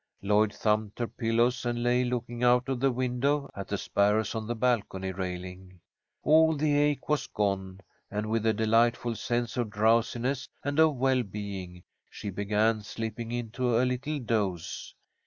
Lloyd thumped her pillows and lay looking out of the window at the sparrows on the balcony railing. All the ache was gone, and, with a delightful sense of drowsiness and of well being, she began slipping into a little doze.